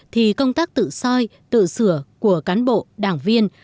thì công tác tự soi tự sửa của cán bộ đảng viên